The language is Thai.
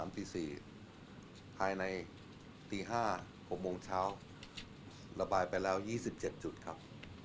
ตี๔ภายในตี๕๖โมงเช้าระบายไปแล้ว๒๗จุดครับ